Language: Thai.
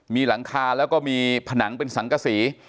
มีหลังคาแล้วก็มีผนังเป็นสังกษี